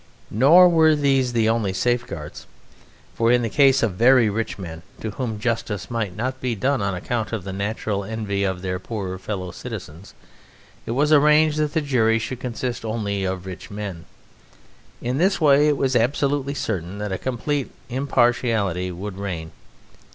Nor were these the only safeguards. For in the case of very rich men, to whom justice might not be done on account of the natural envy of their poorer fellow citizens, it was arranged that the jury should consist only of rich men. In this way it was absolutely certain that a complete impartiality would reign.